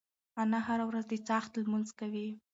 انا هره ورځ د څاښت لمونځ کوي.